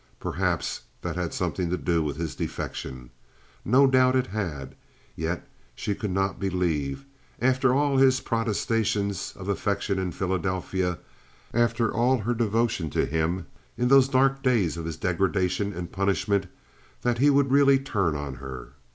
Perhaps that had something to do with his defection. No doubt it had. Yet she could not believe, after all his protestations of affection in Philadelphia, after all her devotion to him in those dark days of his degradation and punishment, that he would really turn on her.